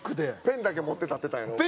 ペンだけ持って立ってたんやろ？